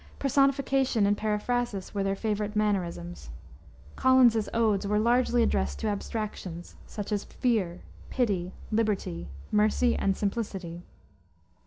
Personification and periphrasis were their favorite mannerisms: Collins's Odes were largely addressed to abstractions, such as Fear, Pity, Liberty, Mercy, and Simplicity.